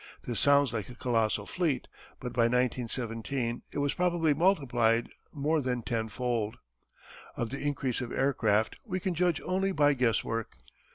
This sounds like a colossal fleet, but by 1917 it was probably multiplied more than tenfold. Of the increase of aircraft we can judge only by guesswork.